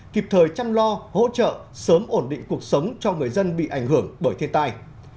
kịp thời chăm lo hỗ trợ sớm ổn định cuộc sống cho người dân bị ảnh hưởng bởi thiên tai